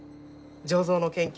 醸造の研究